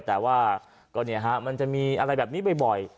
แต่ว่ามันจะมีอะไรแบบนี้บ่อย